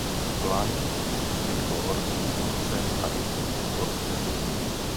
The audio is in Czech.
Blanc působí jako horský vůdce a instruktor horské služby.